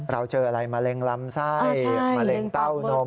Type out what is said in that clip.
เราเจออะไรมะเร็งลำไส้มะเร็งเต้านม